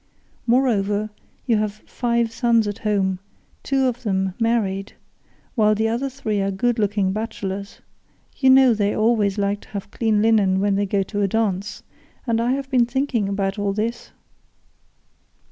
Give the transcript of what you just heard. Moreover, you have five sons at home, two of them married, while the other three are good looking bachelors; you know they always like to have clean linen when they go to a dance, and I have been thinking about all this."